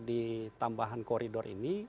di tambahan koridor ini